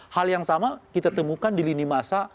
hal yang sama kita temukan di lini masa